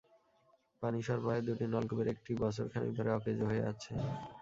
পানি সরবরাহের দুটি নলকূপের একটি বছর খানেক ধরে অকেজো হয়ে আছে।